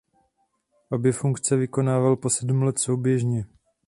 Obě funkce vykonával po sedm let souběžně.